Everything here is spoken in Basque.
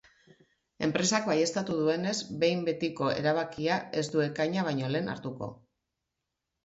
Enpresak baieztatu duenez, behin betiko erabakia ez du ekaina baino lehen hartuko.